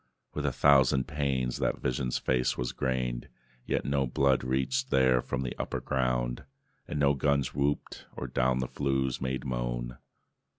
With a thousand pains that vision's face was grained, Yet no blood reached there from the upper ground, And no guns whooped, or down the flues made moan.